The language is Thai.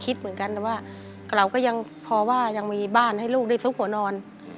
คิดเหมือนกันแต่ว่าเราก็ยังพอว่ายังมีบ้านให้ลูกได้ซุกหัวนอน